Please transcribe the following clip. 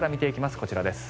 こちらです。